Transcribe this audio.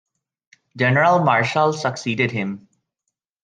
General Marshall succeeded him.